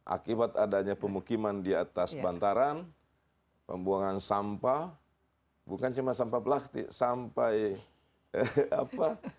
akibat adanya pemukiman di atas bantaran pembuangan sampah bukan cuma sampah plastik sampai apa